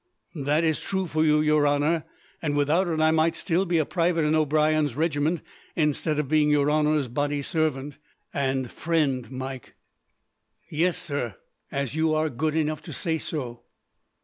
"That is true for you, your honour. And without it, I might be still a private in O'Brien's regiment, instead of being your honour's body servant." "And friend, Mike." "Yes, sir, as you are good enough to say so."